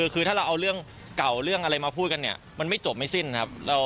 คือถ้าเราเอาเรื่องเก่าเรื่องอะไรมาพูดกันเนี่ยมันไม่จบไม่สิ้นครับ